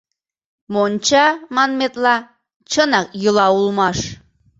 Монча, манметла, чынак йӱла улмаш.